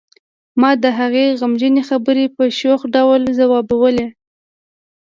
ما د هغې غمجنې خبرې په شوخ ډول ځوابولې